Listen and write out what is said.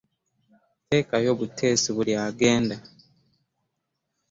Teekayo buteesi buli agenda.